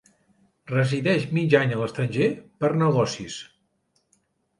Resideix mig any a l'estranger, per negocis.